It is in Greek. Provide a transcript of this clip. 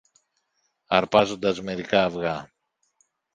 αρπάζοντας μερικά αυγά